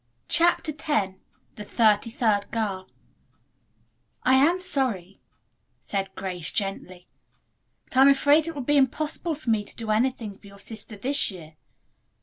CHAPTER X THE THIRTY THIRD GIRL "I am sorry," said Grace gently, "but I am afraid it will be impossible for me to do anything for your sister this year.